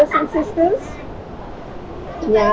hobi kamu adalah berlari